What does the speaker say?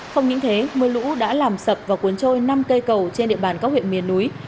không những thế mưa lũ đã làm sập và cuốn trôi năm cây cầu trên địa bàn các huyện miền núi